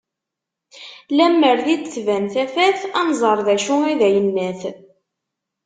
Lemmer di d-tban tafat, ad nẓer d acu i d ayennat